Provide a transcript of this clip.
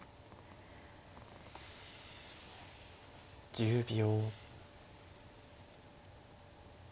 １０秒。